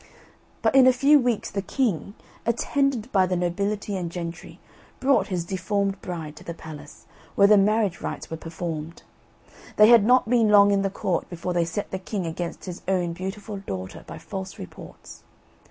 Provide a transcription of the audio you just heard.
But in a few weeks the king, attended by the nobility and gentry, brought his deformed bride to the palace, where the marriage rites were performed. They had not been long in the Court before they set the king against his own beautiful daughter by false reports.